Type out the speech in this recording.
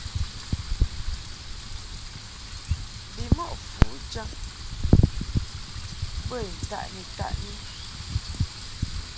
Bimɔʼ fujaŋ bə I ntaʼni-taʼni.